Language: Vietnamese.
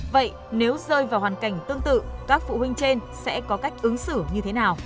vậy nếu rơi vào hoàn cảnh tương tự các phụ huynh trên sẽ có cách ứng xử như thế nào